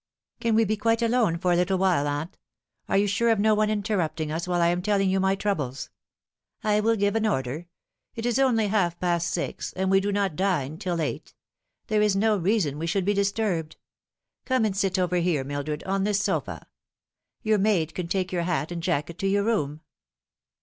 " Can we be quite alone for a little while, aunt ? Are you sure of no one interrupting us while I am telling you my troubles ?"" I will give an order. It is only half past six, and we do not dine till eight. There is no reason we should be disturbed. Come and sit over here, Mildred, on this sofa. Your maid can take your hat and jacket to your room."